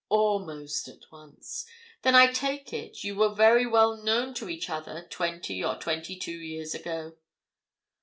"Almost at once. Then, I take it, you were very well known to each other twenty or twenty two years ago?"